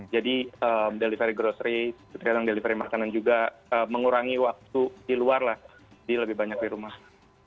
delivery grocery kadang delivery makanan juga mengurangi waktu di luar lah di lebih banyak di rumah